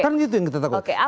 kan itu yang kita takut